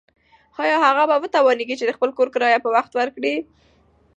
ایا هغه به وتوانیږي چې د خپل کور کرایه په وخت ورکړي؟